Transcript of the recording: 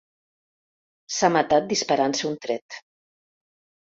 S'ha matat disparant-se un tret.